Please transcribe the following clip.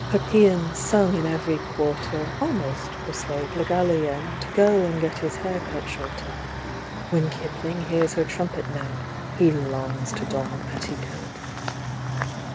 Her p├"ans, sung in evŌĆÖry quarter, Almost persuade Le Gallienne To go and get his hair cut shorter; When Kipling hears her trumpet note He longs to don a petticoat.